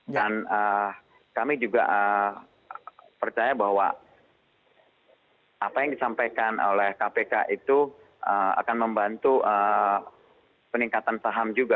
dan kami juga percaya bahwa apa yang disampaikan oleh kpk itu akan membantu peningkatan saham juga